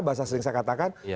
bahasa sering saya katakan